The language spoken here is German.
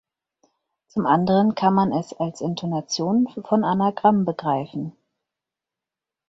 Zum anderen kann man es als Intonation von „Anagramm“ begreifen.